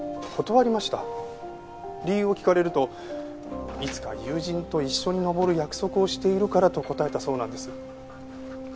理由を聞かれるといつか友人と一緒に登る約束をしているからと答えたそうなんです。